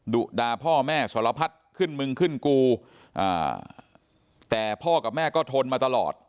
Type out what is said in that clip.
ดุด่าพ่อแม่สรพัฒน์ขึ้นมึงขึ้นกูแต่พ่อกับแม่ก็ทนมาตลอด